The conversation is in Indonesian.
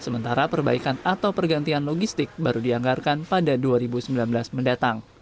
kepala logistik baru dianggarkan pada dua ribu sembilan belas mendatang